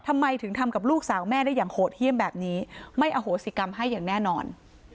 ทำไมถึงทำกับลูกสาวแม่ได้อย่างโหดเยี่ยมแบบนี้ไม่อโหสิกรรมให้อย่างแน่นอน